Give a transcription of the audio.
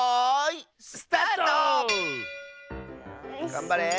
がんばれ。